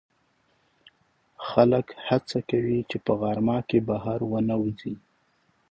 خلک هڅه کوي چې په غرمه کې بهر ونه وځي